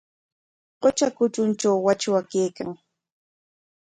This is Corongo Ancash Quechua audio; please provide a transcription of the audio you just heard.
Qutra kutrunkunatraw wachwa kawan.